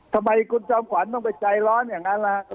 ทำไมคุณจอมขวัญต้องไปใจร้อนอย่างนั้นล่ะ